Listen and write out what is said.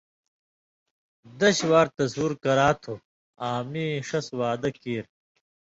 دَش وار تَصور کرا تُھو آں مِیں شَس وعدہ کِیریۡ